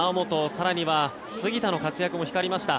更には杉田の活躍も光りました。